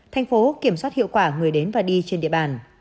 thành phố kiểm soát hiệu quả người đến và đi trên địa bàn